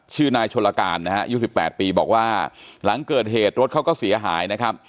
ชื่อนายชนละการนะฮะยุค๑๘ปีบอกว่าหลังเกิดเหตุรถเขาก็เสียหายนะครับ